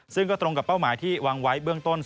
ซึ่งก็ตรงกับเป้าหมายที่วางไว้เบื้องต้น